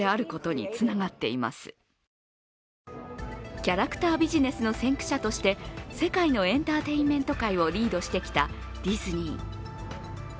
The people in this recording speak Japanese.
キャラクタービジネスの先駆者として世界のエンターテインメント界をリードしてきたディズニー。